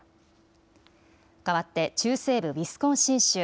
かわって、中西部ウィスコンシン州。